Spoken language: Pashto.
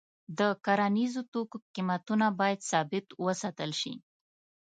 د کرنیزو توکو قیمتونه باید ثابت وساتل شي.